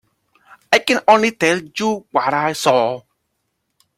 I can only tell you what I saw.